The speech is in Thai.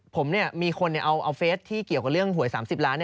ผมมีคนเอาเฟสที่เกี่ยวกับเรื่องหวย๓๐ล้าน